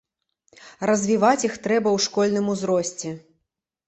Развіваць іх трэба ў школьным узросце.